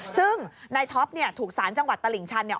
ซึ่งนายท็อปเนี่ยถูกสารจังหวัดตลิ่งชันเนี่ย